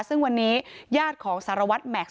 ซึ่งวันนี้ญาติของสารวัตรแม็กซ